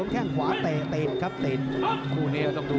นี่คือยอดมวยแท้รักที่ตรงนี้ครับ